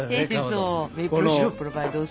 そう。